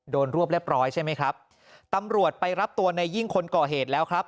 รวบเรียบร้อยใช่ไหมครับตำรวจไปรับตัวในยิ่งคนก่อเหตุแล้วครับ